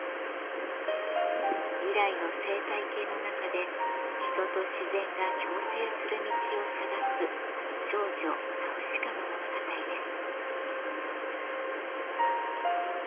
未来の生態系の中で人と自然が共生する道を探す少女・ナウシカの物語です。